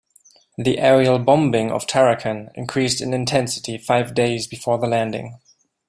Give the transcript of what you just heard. The aerial bombing of Tarakan increased in intensity five days before the landing.